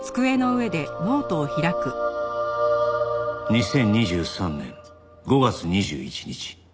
「２０２３年５月２１日」